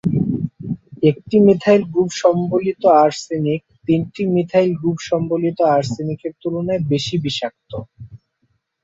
একটি methyl group সম্বলিত arsenic তিনটি মিথাইল গ্রুপ সম্বলিত আর্সেনিকের তুলনায় বেশি বিষাক্ত।